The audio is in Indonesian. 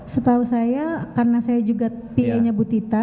setahu saya karena saya juga p e nya butita